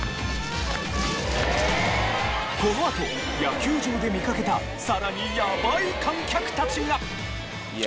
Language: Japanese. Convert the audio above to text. このあと野球場で見かけたさらにやばい観客たちが！